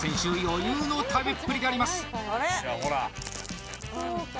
余裕の食べっぷりであります